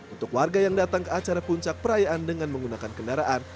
untuk warga yang datang ke acara puncak perayaan dengan menggunakan kendaraan